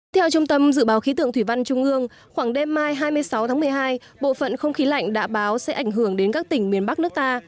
theo trung tâm dự báo khí tượng thủy văn trung ương khoảng đêm mai hai mươi sáu tháng một mươi hai bộ phận không khí lạnh đã báo sẽ ảnh hưởng đến các tỉnh miền bắc nước ta